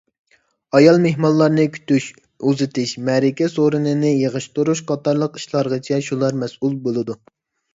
ئايال مېھمانلارنى كۈتۈش، ئۇزىتىش، مەرىكە سورۇنىنى يىغىشتۇرۇش قاتارلىق ئىشلارغىچە شۇلار مەسئۇل بولىدۇ.